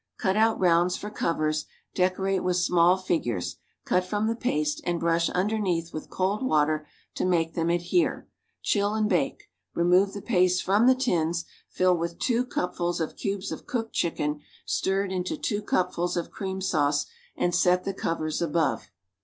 Cut out rounds for covers; decorate with small figures, cut from the paste and brush underneath with cold water to make them adhere. Chill and bake. Remove the paste from the tins, fill with two cupfuls of cubes of cooked chicken stirred into two cupfuls of cream sauce and set the covers above.